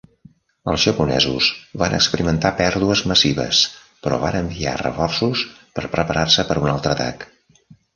Els japonesos van experimentar pèrdues massives, però van enviar reforços per preparar-se per a un altre atac.